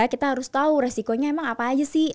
kita harus tahu resikonya emang apa aja sih